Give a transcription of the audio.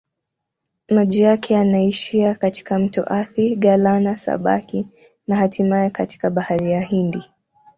Maji yake yanaishia katika mto Athi-Galana-Sabaki na hatimaye katika Bahari ya Hindi.